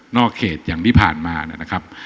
เขตอย่างที่ผ่านมานะครับ